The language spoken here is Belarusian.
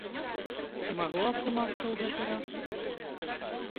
Ці магло атрымацца ў гэты раз?